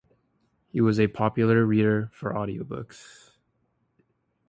He was a popular reader for audiobooks.